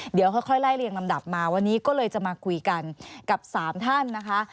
เดี๋ยวค่อยไล่เรียงลำดับมาวันนี้ก็เลยจะมาคุยกันกับ๓ท่านนะคะ